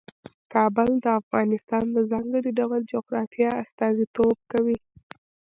کابل د افغانستان د ځانګړي ډول جغرافیه استازیتوب کوي.